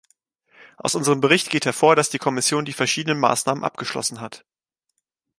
Aus unserem Bericht geht hervor, dass die Kommission die verschiedenen Maßnahmen abgeschlossen hat.